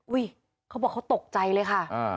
เขาบอกเขาตกใจเลยค่ะ